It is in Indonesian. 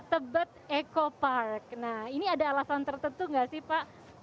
tebet eco park nah ini ada alasan tertentu nggak sih pak